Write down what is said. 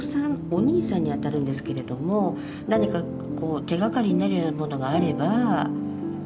お兄さんにあたるんですけれども何かこう手がかりになるようなものがあれば。